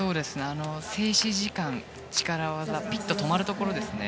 静止時間、力技ピッと止まるところですね。